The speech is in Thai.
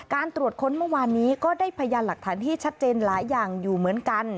ตรวจค้นเมื่อวานนี้ก็ได้พยานหลักฐานที่ชัดเจนหลายอย่างอยู่เหมือนกัน